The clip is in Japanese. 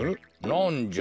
なんじゃ？